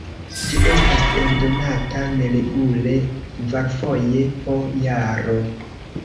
Ĝi estas eldonata neregule kvarfoje po jaro.